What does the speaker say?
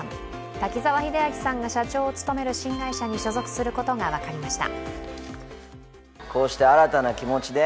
滝沢秀明さんが社長を務める新会社に所属することが分かりました。